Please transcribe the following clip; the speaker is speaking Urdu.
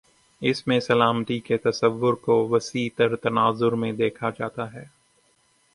اس میں سلامتی کے تصور کو وسیع تر تناظر میں دیکھا جاتا ہے۔